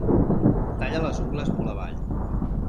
Talla les ungles molt avall.